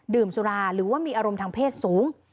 สุราหรือว่ามีอารมณ์ทางเพศสูง